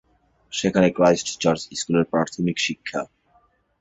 সেখানে Christ Church স্কুলে প্রাথমিক শিক্ষা।